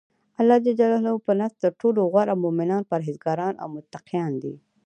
الله ج په نزد ترټولو غوره مؤمنان پرهیزګاران او متقیان دی.